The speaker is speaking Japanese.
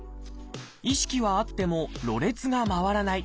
意識はあってもろれつがまわらない。